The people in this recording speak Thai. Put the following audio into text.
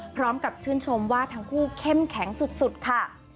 พร้อมกับชื่นชมว่าทั้งคู่เข้มแข็งสุดค่ะ